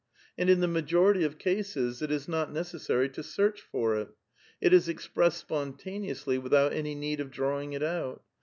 And in the majority of cases, it is not necessary to search for it ; it is expressed spontaneously without any need of drawing it out.